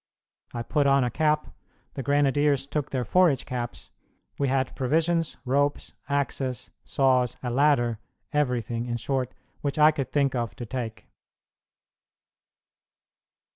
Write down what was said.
I put on a cap, the grenadiers took their forage caps, we had provisions, ropes, axes, saws, a ladder everything, in short, which I could think of to take.